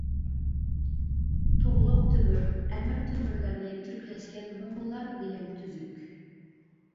تۇغلۇق تۆمۈر، ئەمىر تۆمۈرلەرنى تۈركلەشكەن موڭغۇللار دېگەن تۈزۈك.